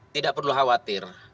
tidak perlu khawatir